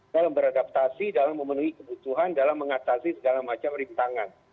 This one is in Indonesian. dalam beradaptasi dalam memenuhi kebutuhan dalam mengatasi segala macam rintangan